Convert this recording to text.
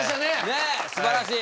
ねえすばらしい！